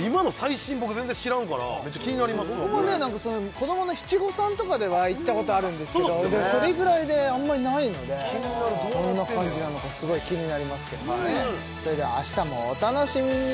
子どもの七五三とかでは行ったことあるんですけどそれぐらいであんまりないのでどんな感じなのかすごい気になりますけどもねそれでは明日もお楽しみに！